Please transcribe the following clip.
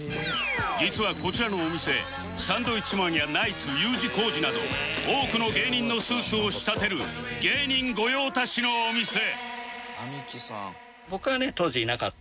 実はこちらのお店サンドウィッチマンやナイツ Ｕ 字工事など多くの芸人のスーツを仕立てる芸人御用達のお店